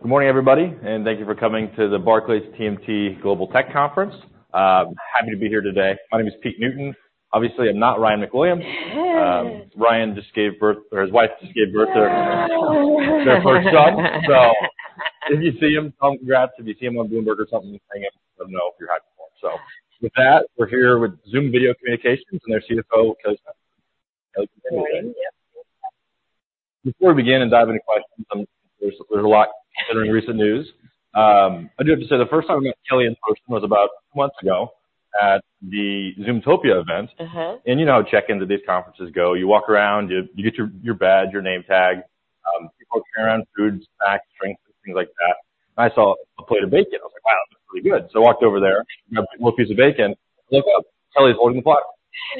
Good morning, everybody, and thank you for coming to the Barclays TMT Global Tech Conference. Happy to be here today. My name is Peter Newton. Obviously, I'm not Ryan McWilliams. Ryan just gave birth, or his wife just gave birth to their, their first son. So if you see him, tell him congrats. If you see him on Bloomberg or something, just hang in, let him know if you're happy for him. So with that, we're here with Zoom Video Communications and their CFO, Kelly Steckelberg. Good morning. Yep. Before we begin and dive into questions, there's a lot considering recent news. I do have to say, the first time I met Kelly in person was about two months ago at the Zoomtopia event. Mm-hmm. You know how checking into these conferences goes. You walk around, you get your badge, your name tag, people carrying around food, snacks, drinks, things like that. I saw a plate of bacon. I was like, "Wow, looks really good!" So I walked over there, got a little piece of bacon. Looked up, Kelly's holding the platter.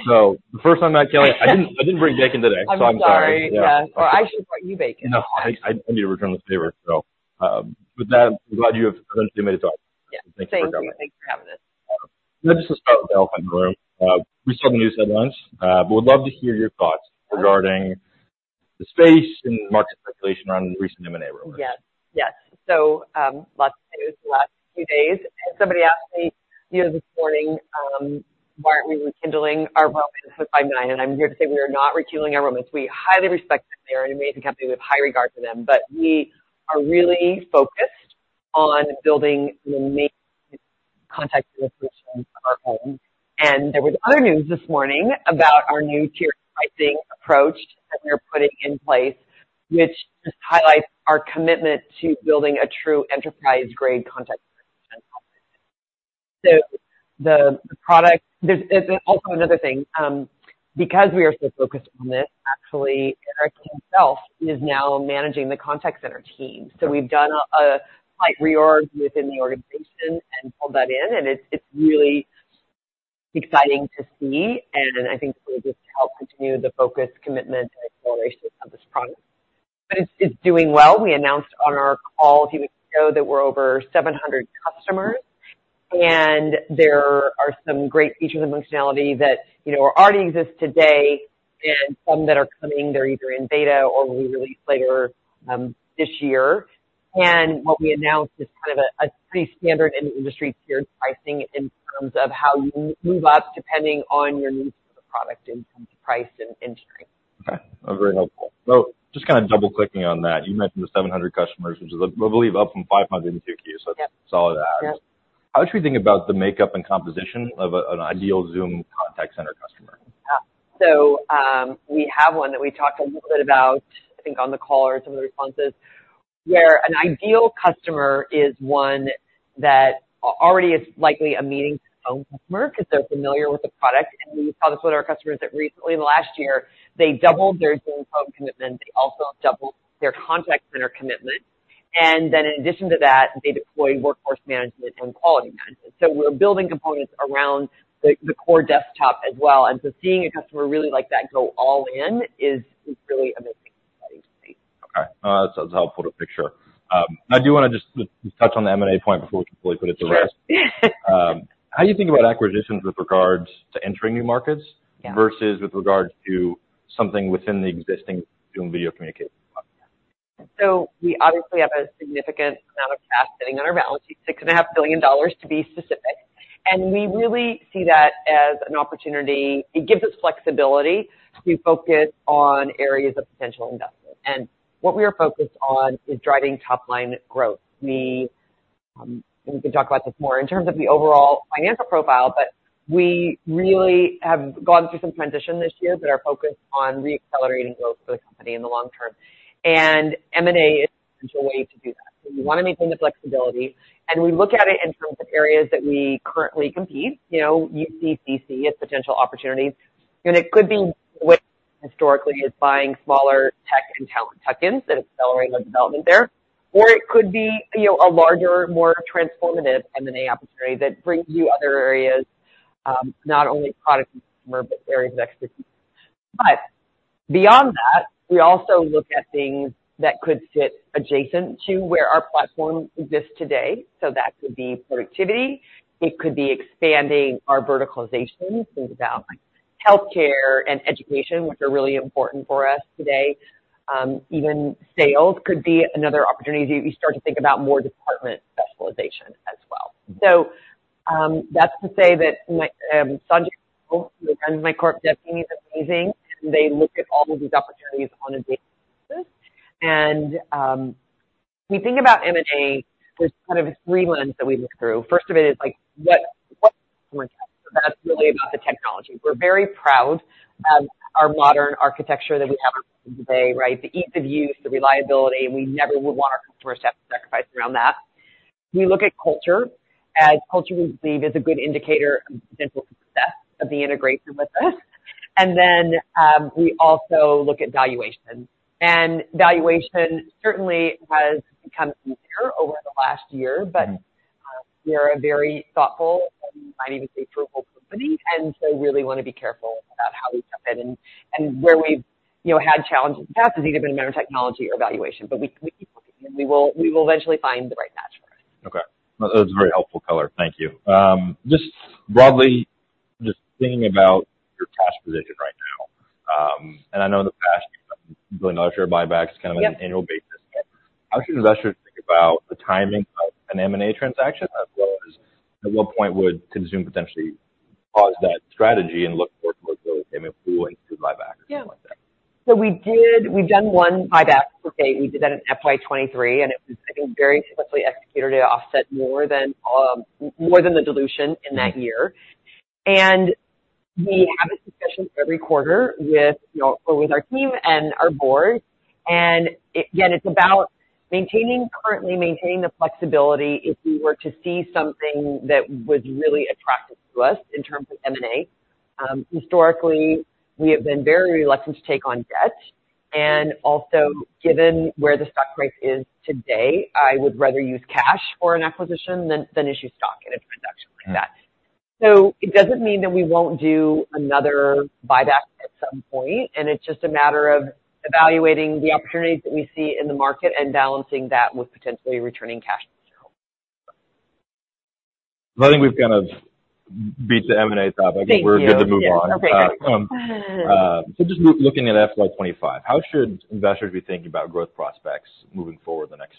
So the first time I met Kelly, I didn't bring bacon today, so I'm sorry. I'm sorry. Yeah. Well, I should have brought you bacon. No, I need to return this favor. So, with that, I'm glad you have a few minutes to talk. Yeah. Thank you for coming. Thank you. Thanks for having us. Let's just start with the elephant in the room. We saw the news headlines, but we'd love to hear your thoughts regarding the space and market speculation around the recent M&A rumors. Yes. Yes. So, lots of news the last few days. And somebody asked me, you know, this morning, why are we rekindling our romance with Five9? And I'm here to say we are not rekindling our romance. We highly respect them. They are an amazing company. We have high regard for them, but we are really focused on building the main contact solution of our own. And there was other news this morning about our new tier pricing approach that we are putting in place, which just highlights our commitment to building a true enterprise-grade contact center. So the product. There's also another thing, because we are so focused on this, actually, Eric himself is now managing the contact center team. So we've done a slight reorg within the organization and pulled that in, and it's really exciting to see, and I think will just help continue the focus, commitment, and exploration of this product. But it's doing well. We announced on our call, if you recall, that we're over 700 customers, and there are some great features and functionality that, you know, already exist today and some that are coming. They're either in beta or will be released later this year. And what we announced is kind of a pretty standard in the industry tiered pricing in terms of how you move up, depending on your needs for the product and price and entry. Okay, that's very helpful. So just kind of double-clicking on that, you mentioned the 700 customers, which is, I believe, up from 550. Yep. Solid add. Yep. How should we think about the makeup and composition of an ideal Zoom Contact Center customer? So, we have one that we talked a little bit about, I think, on the call or some of the responses, where an ideal customer is one that already is likely Meetings, Phone customer, because they're familiar with the product. We saw this with our customers that recently, in the last year, they doubled their Zoom Phone commitment. They also doubled their contact center commitment, and then in addition Workforce Management and Quality Management. we're building components around the core desktop as well. Seeing a customer really like that go all in is really amazing, exciting to see. Okay. That's helpful to picture. I do want to just touch on the M&A point before we completely put it to rest. Sure. How do you think about acquisitions with regards to entering new markets? Yeah. -versus with regards to something within the existing Zoom Video Communications? So we obviously have a significant amount of cash sitting on our balance sheet, $6.5 billion, to be specific. And we really see that as an opportunity. It gives us flexibility to focus on areas of potential investment. And what we are focused on is driving top-line growth. We, we can talk about this more in terms of the overall financial profile, but we really have gone through some transition this year that are focused on reaccelerating growth for the company in the long term. And M&A is a potential way to do that. So we want to maintain the flexibility, and we look at it in terms of areas that we currently compete, you know, UCC as potential opportunities, and it could be what historically is buying smaller tech and talent tuck-ins and accelerating the development there. Or it could be, you know, a larger, more transformative M&A opportunity that brings you other areas, not only product and customer, but areas of expertise. But beyond that, we also look at things that could sit adjacent to where our platform exists today. So that could be productivity. It could be expanding our verticalization. Think about healthcare and education, which are really important for us today. Even sales could be another opportunity to start to think about more department specialization as well. So, that's to say that, Sanjay, who runs my corp dev team, is amazing. They look at all of these opportunities on a daily basis. We think about M&A, there's kind of three lens that we look through. First of it is like, that's really about the technology. We're very proud of our modern architecture that we have today, right? The ease of use, the reliability. We never would want our customers to have to sacrifice around that. We look at culture, as culture we believe is a good indicator of potential success of the integration with us. And then, we also look at valuation, and valuation certainly has become easier over the last year. Mm-hmm. But we are a very thoughtful, and you might even say, fruitful company, and so really want to be careful about how we step in. And where we've, you know, had challenges in the past has either been a matter of technology or valuation, but we will eventually find the right match.... That's a very helpful color. Thank you. Just broadly, just thinking about your cash position right now, and I know in the past, you've done other share buybacks kind of on an annual basis. Yep. How should investors think about the timing of an M&A transaction, as well as at what point would Zoom potentially pause that strategy and look more towards the payment pool and do buybacks or something like that? Yeah. So we've done one buyback, okay? We did that in FY 2023, and it was, I think, very successfully executed to offset more than the dilution in that year. And we have a discussion every quarter with, you know, with our team and our board, and it... Again, it's about maintaining, currently maintaining the flexibility if we were to see something that was really attractive to us in terms of M&A. Historically, we have been very reluctant to take on debt, and also given where the stock price is today, I would rather use cash for an acquisition than issue stock in a transaction like that. Yeah. It doesn't mean that we won't do another buyback at some point, and it's just a matter of evaluating the opportunities that we see in the market and balancing that with potentially returning cash to shareholders. Well, I think we've kind of beat the M&A topic. Thank you. I think we're good to move on. Okay, good. Just looking at FY 25, how should investors be thinking about growth prospects moving forward the next...?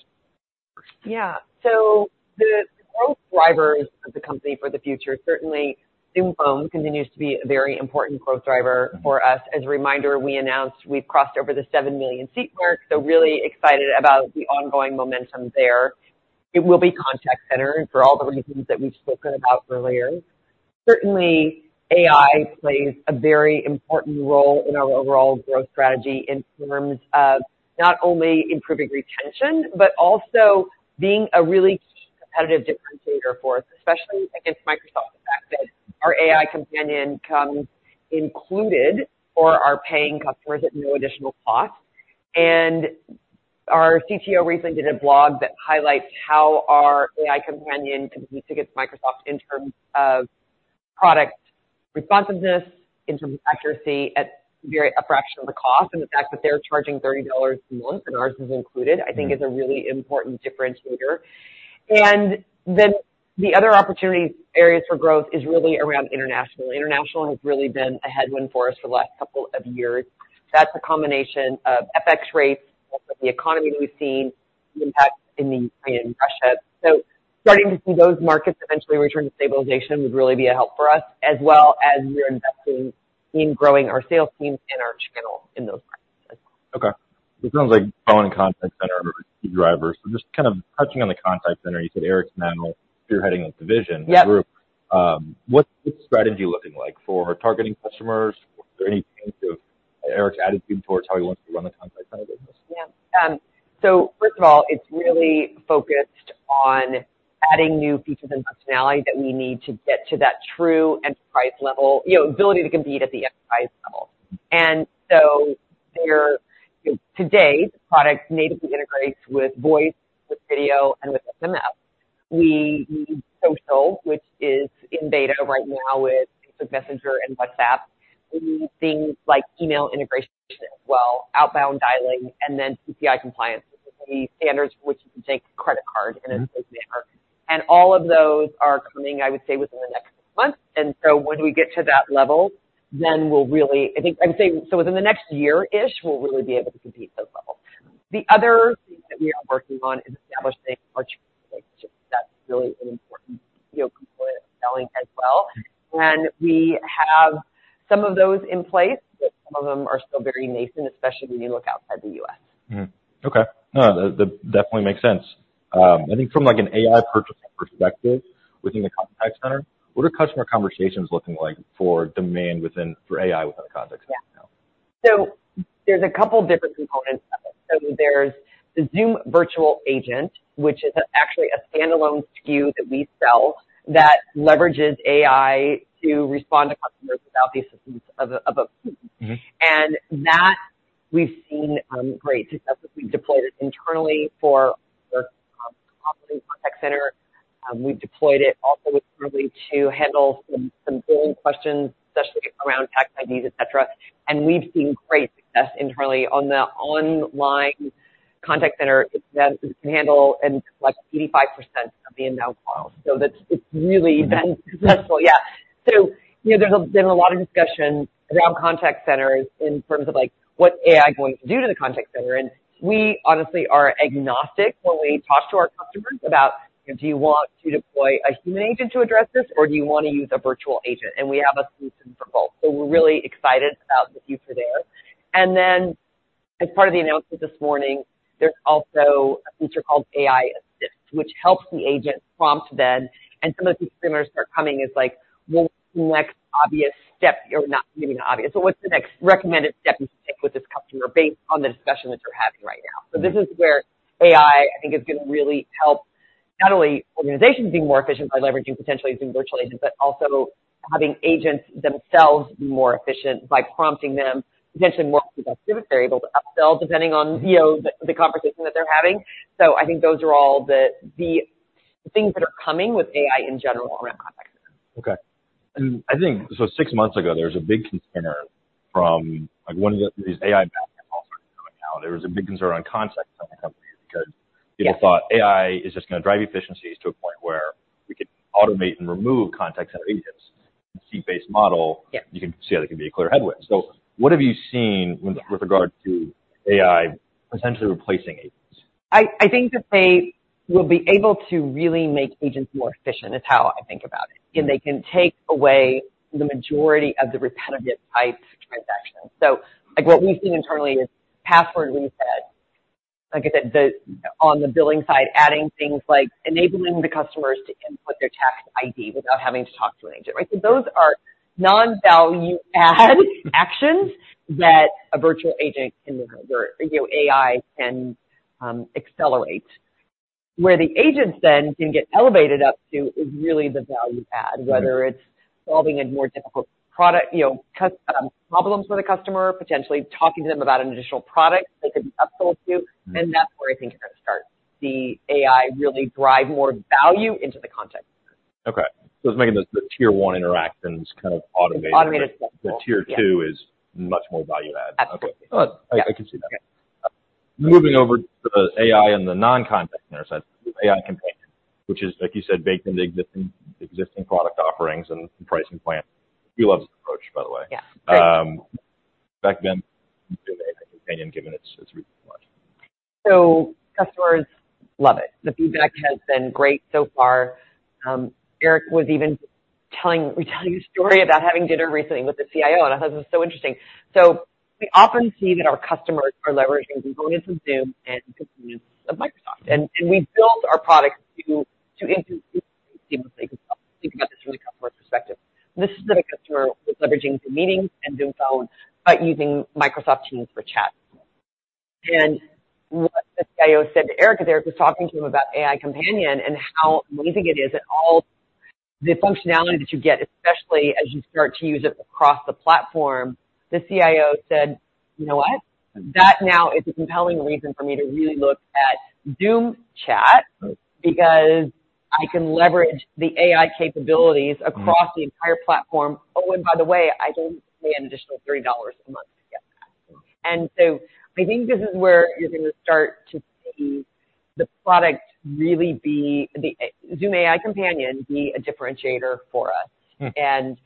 Yeah. So the growth drivers of the company for the future, certainly Zoom Phone continues to be a very important growth driver for us. As a reminder, we announced we've crossed over the 7 million seat mark, so really excited about the ongoing momentum there. It will be Contact Center and for all the reasons that we've spoken about earlier. Certainly, AI plays a very important role in our overall growth strategy in terms of not only improving retention, but also being a really competitive differentiator for us, especially against Microsoft. The fact that our AI Companion comes included for our paying customers at no additional cost. And our CTO recently did a blog that highlights how our AI Companion competes against Microsoft in terms of product responsiveness, in terms of accuracy, at very a fraction of the cost. The fact that they're charging $30 a month and ours is included, I think is a really important differentiator. Then the other opportunity areas for growth is really around international. International has really been a headwind for us for the last couple of years. That's a combination of FX rates, but the economy we've seen, the impact in the Ukraine and Russia. So starting to see those markets eventually return to stabilization would really be a help for us, as well as we are investing in growing our sales teams and our channels in those markets. Okay. It sounds like phone and contact center are key drivers. So just kind of touching on the contact center, you said Eric Yuan spearheading that division, the group. Yep. What's the strategy looking like for targeting customers? Is there any change to Eric's attitude towards how he wants to run the contact center business? Yeah. So first of all, it's really focused on adding new features and functionality that we need to get to that true enterprise level, you know, ability to compete at the enterprise level. And so today, the product natively integrates with voice, with video, and with SMS. We need social, which is in beta right now with Facebook Messenger and WhatsApp. We need things like email integration as well, outbound dialing, and then PCI compliance, which is the standards for which you can take a credit card in a safe manner. Mm-hmm. All of those are coming, I would say, within the next month. So when we get to that level, then we'll really... I think I'd say, so within the next year-ish, we'll really be able to compete at those levels. The other thing that we are working on is establishing our relationships. That's really an important, you know, component of selling as well. We have some of those in place, but some of them are still very nascent, especially when you look outside the U.S. Mm-hmm. Okay. No, that, that definitely makes sense. I think from, like, an AI purchasing perspective within the contact center, what are customer conversations looking like for demand within, for AI within the contact center now? Yeah. So there's a couple different components of it. So there's the Zoom Virtual Agent, which is actually a standalone SKU that we sell, that leverages AI to respond to customers without the assistance of a human. Mm-hmm. That we've seen great success with. We deployed it internally for the contact center. We've deployed it also internally to handle some billing questions, especially around tax IDs, et cetera, and we've seen great success internally. On the online contact center, it's managed to handle and collect 85% of the inbound calls. So that's, it's really been successful. Yeah. So, you know, there's been a lot of discussion around contact centers in terms of, like, what's AI going to do to the contact center? And we honestly are agnostic when we talk to our customers about: Do you want to deploy a human agent to address this, or do you want to use a virtual agent? And we have a solution for both. So we're really excited about the future there. Then, as part of the announcement this morning, there's also a feature called AI Assist, which helps the agent prompt them. Some of the customers start coming is like, "Well, what's the next obvious step?" Or not maybe obvious, "So what's the next recommended step to take with this customer based on the discussion that you're having right now? Mm-hmm. So this is where AI, I think, is gonna really help, not only organizations be more efficient by leveraging, potentially Zoom Virtual Agents, but also having agents themselves be more efficient by prompting them, potentially more productive, if they're able to upsell, depending on, you know, the conversation that they're having. So I think those are all the things that are coming with AI in general around contact centers. Okay. And I think, so six months ago, there was a big concern on contact center companies because- Yeah. people thought AI is just going to drive efficiencies to a point where we could automate and remove contact center agents. Seat-based model Yeah. You can see how that can be a clear headwind. So what have you seen with- Yeah With regard to AI essentially replacing agents? I think that they will be able to really make agents more efficient, is how I think about it. And they can take away the majority of the repetitive type transactions. So, like, what we've seen internally is password reset. Like I said, the, on the billing side, adding things like enabling the customers to input their tax ID without having to talk to an agent, right? So those are non-value add actions that a virtual agent can, or, you know, AI can, accelerate. Where the agents then can get elevated up to, is really the value add. Mm-hmm. Whether it's solving a more difficult product, you know, customer problems with a customer, potentially talking to them about an additional product they could be upsold to. Mm-hmm. That's where I think you're going to start to see AI really drive more value into the contact center. Okay. So it's making the tier one interactions kind of automated. Automated. The tier two is much more value add. Absolutely. Okay. Well, I can see that. Yeah. Moving over to the AI and the non-contact center side, AI Companion, which is, like you said, baked into the existing product offerings and pricing plan. We love this approach, by the way. Yeah, great. Back then, Companion, given its launch. So customers love it. The feedback has been great so far. Eric was even retelling a story about having dinner recently with the CIO, and I thought this was so interesting. So we often see that our customers are leveraging the convenience of Zoom and convenience of Microsoft, and we built our product to seamlessly think about this from the customer's perspective. This specific customer was leveraging some meetings and Zoom Phone, but using Microsoft Teams for chat. And what the CIO said to Eric there was talking to him about AI Companion and how amazing it is, and all the functionality that you get, especially as you start to use it across the platform. The CIO said, "You know what? That now is a compelling reason for me to really look at Zoom Chat, because I can leverage the AI capabilities- Mm-hmm. -across the entire platform. Oh, and by the way, I don't pay an additional $30 a month to get that. And so I think this is where you're going to start to see the product really be the, Zoom AI Companion, be a differentiator for us. Mm.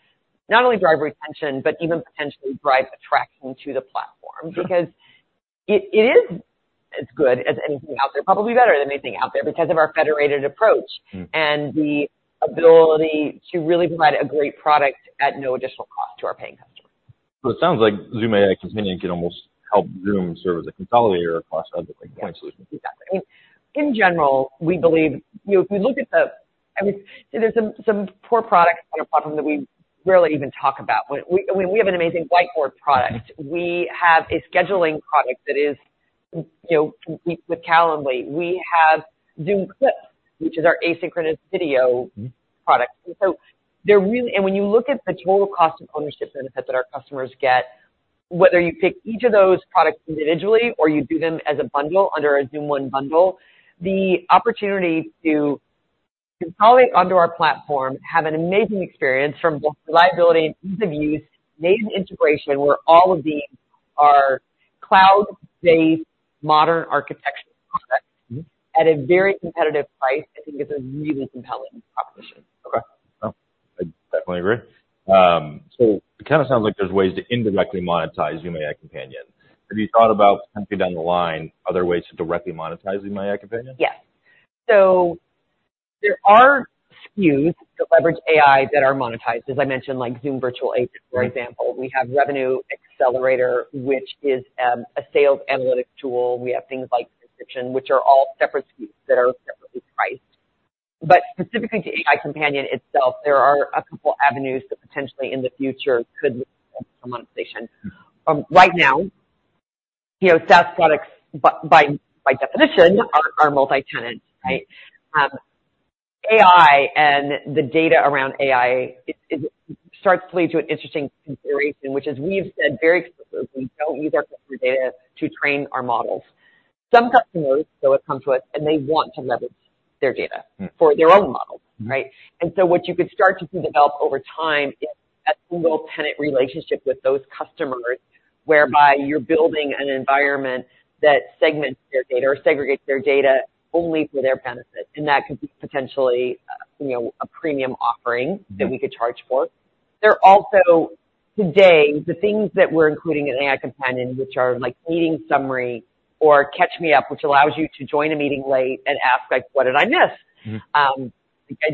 Not only drive retention, but even potentially drive attraction to the platform. Yeah. Because it is as good as anything out there, probably better than anything out there, because of our federated approach. Mm. The ability to really provide a great product at no additional cost to our paying customers. So it sounds like Zoom AI Companion can almost help Zoom serve as a consolidator across other point solutions. Exactly. In general, we believe... You know, if we look at the—I mean, there's some poor products in our platform that we rarely even talk about. We have an amazing whiteboard product. We have a scheduling product that is, you know, complete with Calendly. We have Zoom Clips, which is our asynchronous video- Mm. When you look at the total cost of ownership benefits that our customers get, whether you take each of those products individually or you do them as a bundle under a Zoom One bundle, the opportunity to consolidate onto our platform, have an amazing experience from both reliability and ease of use, native integration, where all of these are cloud-based, modern architecture products. Mm-hmm... at a very competitive price, I think it's a really compelling proposition. Okay. Well, I definitely agree. So it kind of sounds like there's ways to indirectly monetize Zoom AI Companion. Have you thought about potentially down the line, other ways to directly monetize Zoom AI Companion? Yes. So there are SKUs that leverage AI that are monetized, as I mentioned, like Zoom Virtual Agent, for example. Mm. We have Revenue Accelerator, which is a sales analytics tool. We have things like Reservations, which are all separate SKUs that are separately priced. But specifically to AI Companion itself, there are a couple avenues that potentially in the future could lead to monetization. Mm. Right now, you know, SaaS products, by definition, are multi-tenant, right? AI and the data around AI, it starts to lead to an interesting consideration, which is we've said very explicitly, we don't use our customer data to train our models. Some customers, though, have come to us, and they want to leverage their data- Mm. for their own models, right? Mm-hmm. And so what you could start to see develop over time is a single-tenant relationship with those customers, whereby you're building an environment that segments their data or segregates their data only for their benefit, and that could be potentially, you know, a premium offering. Mm. -that we could charge for. There are also, today, the things that we're including in AI Companion, which are like Meeting Summary or Catch Me Up, which allows you to join a meeting late and ask, like, "What did I miss? Mm-hmm. I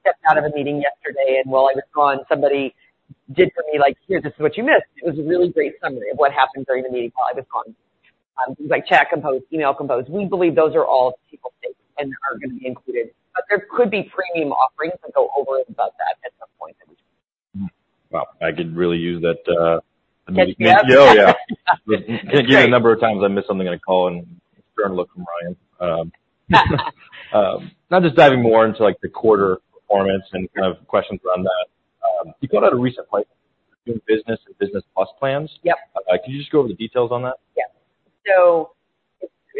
stepped out of a meeting yesterday, and while I was gone, somebody did for me, like, "Here, this is what you missed." It was a really great summary of what happened during the meeting while I was gone. Things like Chat Compose, Email Compose. We believe those are all table stakes and are going to be included, but there could be premium offerings that go over and above that at some point in the future. Well, I could really use that, Catch me up? Oh, yeah. I can't give you the number of times I missed something on a call and got a look from Ryan. Now just diving more into, like, the quarter performance and kind of questions around that. You called out a recent pipe between business and business plus plans. Yep. Can you just go over the details on that? Yeah. So,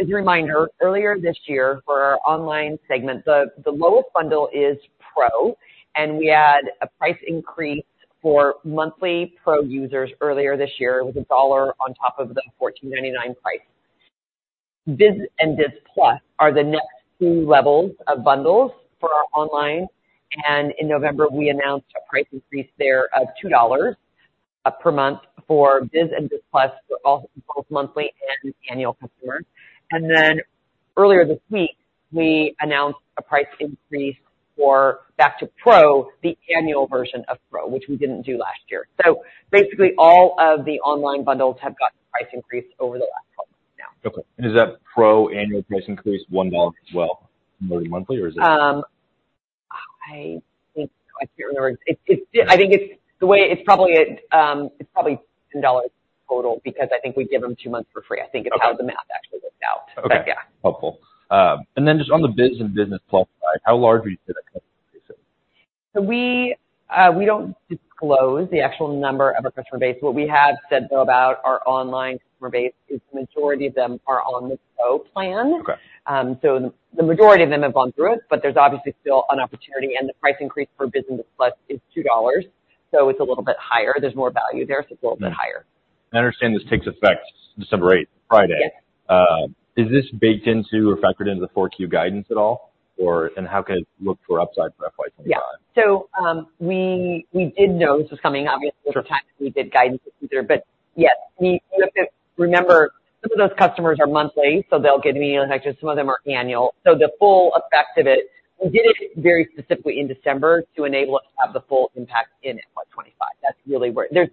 as a reminder, earlier this year, for our online segment, the lowest bundle is Pro, and we had a price increase for monthly Pro users earlier this year. It was $1 on top of the $14.99 price. Biz and Biz Plus are the next two levels of bundles for our online, and in November, we announced a price increase there of $2 per month for Biz and Biz Plus, both monthly and annual customers. And then earlier this week, we announced a price increase for back to Pro, the annual version of Pro, which we didn't do last year. So basically, all of the online bundles have gotten a price increase over the last couple of months now. Okay. And is that Pro annual price increase $1 as well, monthly, or is it? I think I can't remember. I think it's the way it's probably $10 total, because I think we give them two months for free. Okay. I think it's how the math actually works out. Okay. But yeah. Helpful. And then just on the Biz and Business Plus side, how large are you to that customer base? So we don't disclose the actual number of our customer base. What we have said, though, about our online customer base is the majority of them are on the Pro plan. Okay. So the majority of them have gone through it, but there's obviously still an opportunity, and the price increase for Business Plus is $2, so it's a little bit higher. There's more value there, so it's a little bit higher. I understand this takes effect December eighth, Friday. Yes. Is this baked into or factored into the Q4 guidance at all, or, and how can it look for upside for FY 2025? Yeah. So, we did know this was coming. Obviously, over time, we did guidance. But yes, we remember, some of those customers are monthly, so they'll get an email notification. Some of them are annual, so the full effect of it, we did it very specifically in December to enable us to have the full impact in FY 25. That's really where... There's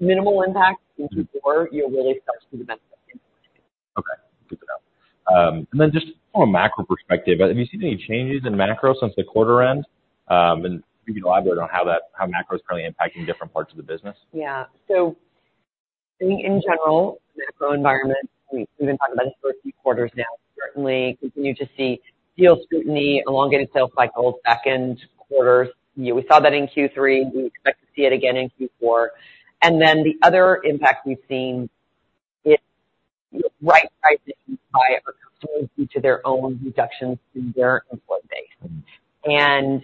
minimal impact in Q4. It really starts to the best. Okay, good to know. Then just from a macro perspective, have you seen any changes in macro since the quarter end? You can elaborate on how that, how macro is currently impacting different parts of the business. Yeah. So I think in general, macro environment, we've been talking about this for a few quarters now. Certainly continue to see deal scrutiny, elongated sales cycles, second quarters. We saw that in Q3. We expect to see it again in Q4. And then the other impact we've seen is right pricing by our customers due to their own reductions in their employee base. And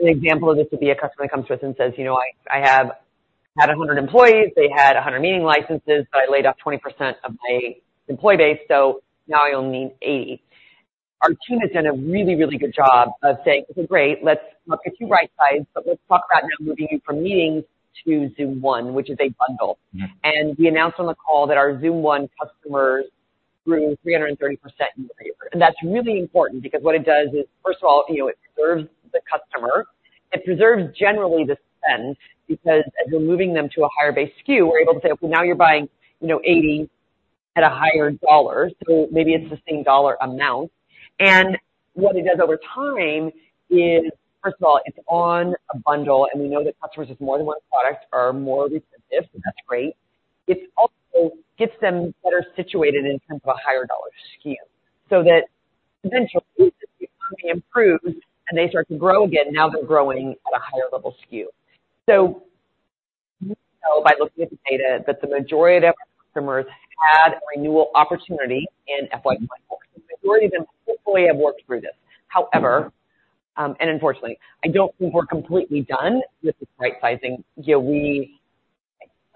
an example of this would be a customer comes to us and says: "You know, I, I have 100 employees. They had 100 meeting licenses, but I laid off 20% of my employee base, so now I only need 80." Our team has done a really, really good job of saying: "Great, let's look at you right size, but let's talk about now moving you from Meetings to Zoom One," which is a bundle. Mm-hmm. And we announced on the call that our Zoom One customers grew 330% year-over-year. And that's really important because what it does is, first of all, you know, it serves the customer. It preserves generally the spend, because as we're moving them to a higher base SKU, we're able to say, okay, now you're buying, you know, 80 at a higher dollar, so maybe it's the same dollar amount. And what it does over time is, first of all, it's on a bundle, and we know that customers with more than one product are more retentive, and that's great. It also gets them better situated in terms of a higher dollar SKU, so that eventually, the economy improves and they start to grow again. Now they're growing at a higher level SKU. So by looking at the data, that the majority of our customers had a renewal opportunity in FY 24. The majority of them hopefully have worked through this. However, and unfortunately, I don't think we're completely done with the right sizing. You know, we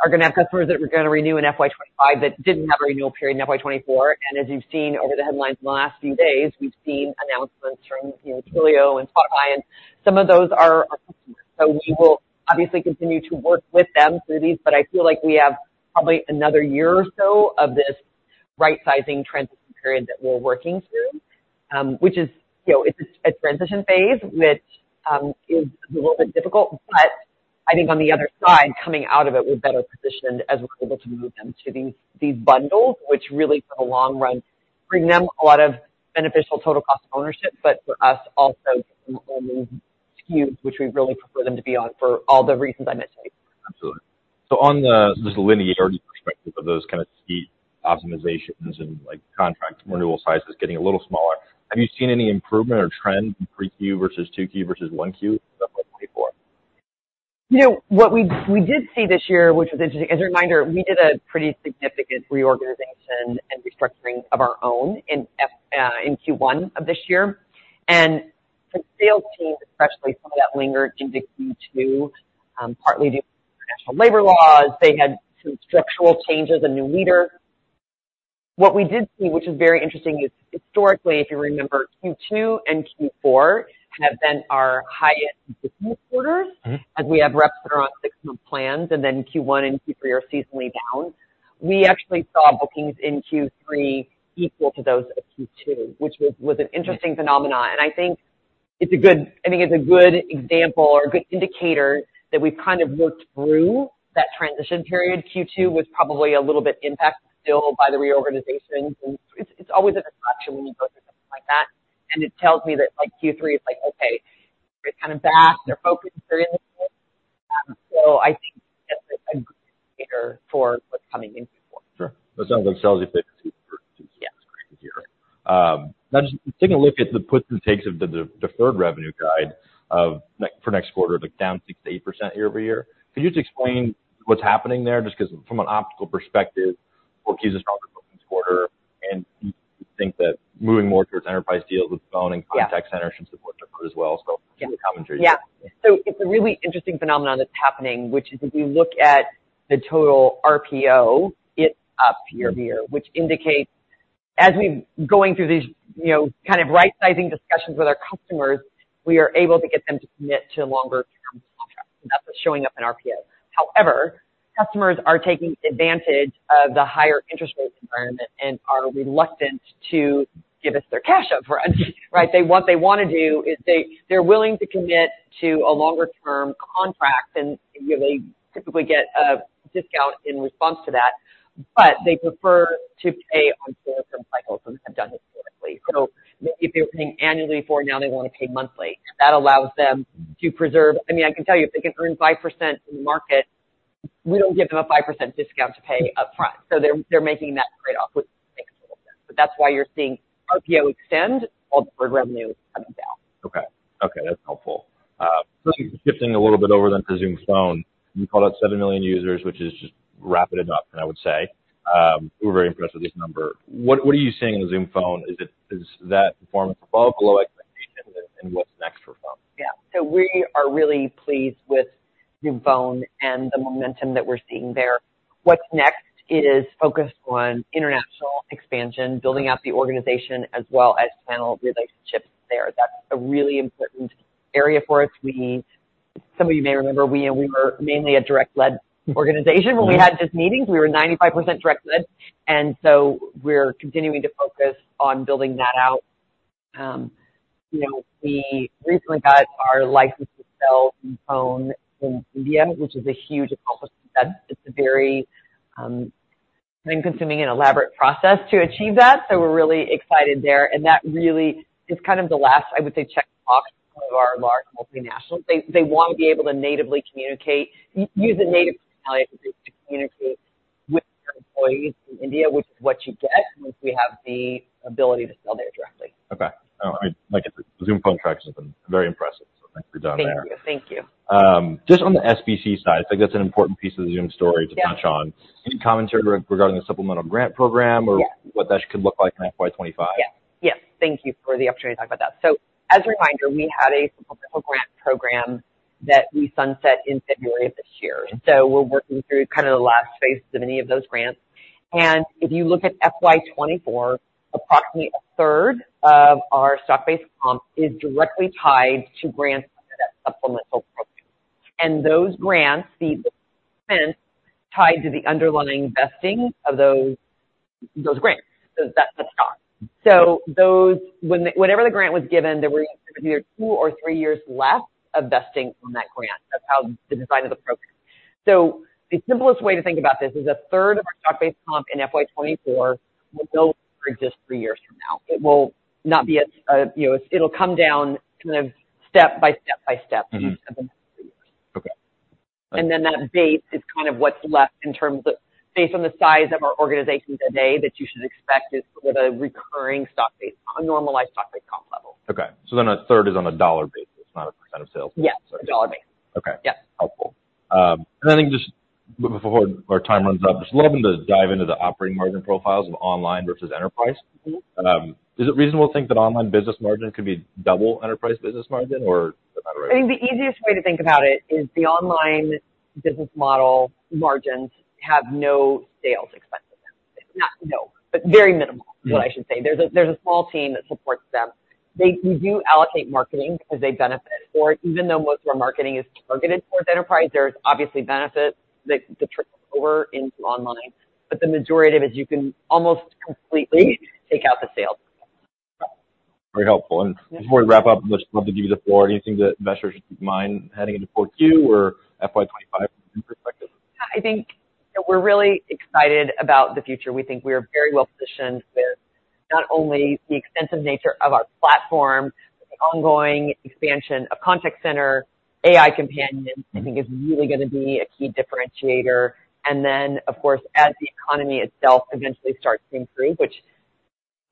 are gonna have customers that are gonna renew in FY 25 that didn't have a renewal period in FY 24. And as you've seen over the headlines in the last few days, we've seen announcements from, you know, Twilio and Spotify, and some of those are our customers. So we will obviously continue to work with them through these, but I feel like we have probably another year or so of this right-sizing transition period that we're working through, which is, you know, it's a transition phase, which is a little bit difficult, but I think on the other side, coming out of it, we're better positioned as we're able to move them to these, these bundles, which really, for the long run, bring them a lot of beneficial total cost of ownership, but for us also, only SKUs, which we really prefer them to be on for all the reasons I mentioned. Absolutely. So on the linearity perspective of those kind of SKU optimizations and, like, contract renewal sizes getting a little smaller, have you seen any improvement or trend in 3Q versus 2Q versus 1Q in FY 2024? You know, what we did see this year, which was interesting. As a reminder, we did a pretty significant reorganization and restructuring of our own in Q1 of this year. The sales team, especially, some of that lingered into Q2, partly due to international labor laws. They had some structural changes, a new leader. What we did see, which is very interesting, is historically, if you remember, Q2 and Q4 have been our highest business quarters. Mm-hmm. As we have reps that are on six-month plans, and then Q1 and Q3 are seasonally down. We actually saw bookings in Q3 equal to those of Q2, which was an interesting phenomenon. I think it's a good example or a good indicator that we've kind of worked through that transition period. Q2 was probably a little bit impacted still by the reorganization. And it's always a disruption when you go through something like that, and it tells me that, like, Q3 is like, okay, it's kind of back, they're focused, they're in. So I think it's a good indicator for what's coming in Q4. Sure. That sounds like sales effect Q4. Yes.... now just taking a look at the puts and takes of the deferred revenue guide for next quarter, like down 68% year-over-year. Can you just explain what's happening there? Just because from an optics perspective, what keeps a stronger quarter, and you think that moving more towards enterprise deals with phone and- Yeah. Contact Center should support as well. So any commentary? Yeah. So it's a really interesting phenomenon that's happening, which is, if you look at the total RPO, it's up year-over-year, which indicates as we've... Going through these, you know, kind of right-sizing discussions with our customers, we are able to get them to commit to longer-term contracts, and that's what's showing up in RPO. However, customers are taking advantage of the higher interest rate environment and are reluctant to give us their cash up front, right? What they wanna do is they, they're willing to commit to a longer-term contract, and they typically get a discount in response to that, but they prefer to pay on shorter term cycles, and have done historically. So if they were paying annually for it, now they want to pay monthly. That allows them to preserve... I mean, I can tell you, if they can earn 5% in the market, we don't give them a 5% discount to pay upfront. So they're, they're making that trade-off, which makes sense. But that's why you're seeing RPO extend while deferred revenue is coming down. Okay. Okay, that's helpful. Shifting a little bit over then to Zoom Phone, you called out 7 million users, which is just rapid adoption, I would say. We're very impressed with this number. What, what are you seeing in Zoom Phone? Is it, is that performance above, below expectations, and, and what's next for Phone? Yeah. So we are really pleased with Zoom Phone and the momentum that we're seeing there. What's next is focused on international expansion, building out the organization, as well as channel relationships there. That's a really important area for us. We, some of you may remember, were mainly a direct-led organization. When we had this meeting, we were 95% direct-led, and so we're continuing to focus on building that out. You know, we recently got our license to sell Phone in India, which is a huge accomplishment. It's a very time-consuming and elaborate process to achieve that, so we're really excited there. And that really is kind of the last, I would say, check box for our large multinationals. They want to be able to natively communicate, use natively to communicate with their employees in India, which is what you get once we have the ability to sell there directly. Okay. Oh, I like it. The Zoom Phone traction has been very impressive, so thanks for doing that. Thank you. Thank you. Just on the SBC side, I think that's an important piece of the Zoom story- Yeah. to touch on. Any commentary regarding the supplemental grant program, or- Yeah. What that could look like in FY 25? Yeah. Yes, thank you for the opportunity to talk about that. So as a reminder, we had a supplemental grant program that we sunset in February of this year, and so we're working through kind of the last phase of any of those grants. And if you look at FY 2024, approximately a third of our stock-based comp is directly tied to grants under that supplemental program. And those grants, they're tied to the underlying vesting of those, those grants, so that's the stock. So those, when- whenever the grant was given, there were either two or three years left of vesting on that grant. That's how the design of the program. So the simplest way to think about this is a third of our stock-based comp in FY 2024 will no longer exist three years from now. It will not be a, you know, it'll come down kind of step by step by step- Mm-hmm. over the next three years. Okay. And then that base is kind of what's left in terms of, based on the size of our organization today, that you should expect is sort of a recurring stock base on a normalized stock-based comp level. Okay, so then a third is on a dollar basis, not a % of sales? Yeah, a dollar base. Okay. Yeah. Helpful. And I think just before our time runs out, just loving to dive into the operating margin profiles of online versus enterprise. Mm-hmm. Is it reasonable to think that online business margin could be double enterprise business margin, or is that about right? I think the easiest way to think about it is the online business model margins have no sales expenses. Not no, but very minimal- Mm. is what I should say. There's a small team that supports them. We do allocate marketing because they benefit, or even though most of our marketing is targeted toward enterprise, there's obviously benefits that carry over into online, but the majority of it, you can almost completely take out the sales. Very helpful. And before we wrap up, I'd love to give you the floor. Anything that investors should keep in mind heading into quarter two or FY 25 perspective? I think that we're really excited about the future. We think we are very well positioned with not only the extensive nature of our platform, but the ongoing expansion of contact center, AI Companion, I think, is really gonna be a key differentiator. And then, of course, as the economy itself eventually starts to improve, which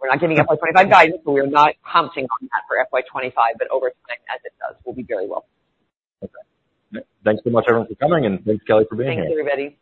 we're not giving FY 2025 guidance, so we are not commenting on that for FY 2025, but over time, as it does, we'll be very well positioned. Okay. Thanks so much, everyone, for coming, and thanks, Kelly, for being here. Thanks, everybody.